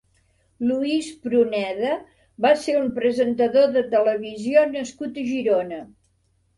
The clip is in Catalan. Luis Pruneda va ser un presentador de televisió nascut a Girona.